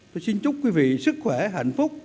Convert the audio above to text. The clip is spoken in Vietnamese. tôi xin chúc quý vị sức khỏe hạnh phúc